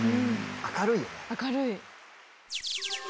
明るい。